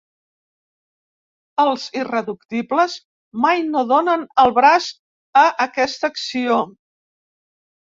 Els irreductibles mai no donen el braç a aquesta acció.